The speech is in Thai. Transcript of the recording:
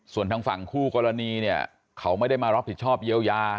ส่วนทางฝั่งคู่กรณีเนี่ยเขาไม่ได้มารับผิดชอบเยียวยา